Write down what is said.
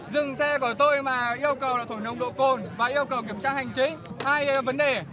dừng xe của tôi mà yêu cầu là thổi nồng độ cồn và yêu cầu kiểm tra hành trí hai vấn đề